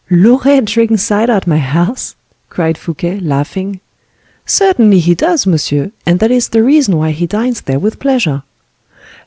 "Loret drinks cider at my house!" cried Fouquet, laughing. "Certainly he does, monsieur, and that is the reason why he dines there with pleasure."